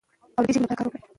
او د دې ژبې لپاره کار وکړو.